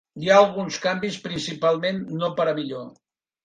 Hi ha alguns canvis, principalment no per a millor.